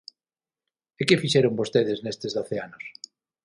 E ¿que fixeron vostedes nestes doce anos?